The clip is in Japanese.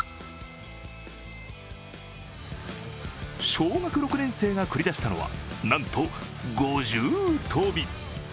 小学６年生が繰り出したのは、なんと五重跳び。